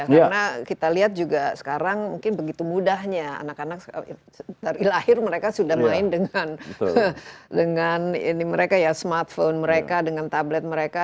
karena kita lihat juga sekarang mungkin begitu mudahnya anak anak dari lahir mereka sudah main dengan smartphone mereka dengan tablet mereka